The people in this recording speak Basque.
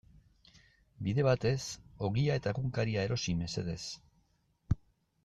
Bide batez ogia eta egunkaria erosi mesedez.